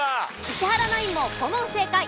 石原ナインも５問正解。